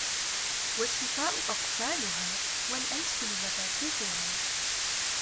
وَالشِّفَاءُ أَقْفَالُهَا وَالْأَلْسُنُ مَفَاتِيحُهَا